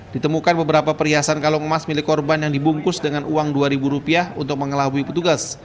ditemukan beberapa perhiasan kalung emas milik korban yang dibungkus dengan uang dua ribu rupiah untuk mengelabui petugas